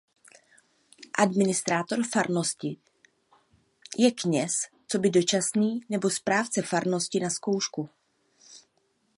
Administrátor farnosti je kněz coby dočasný nebo správce farnosti „na zkoušku“.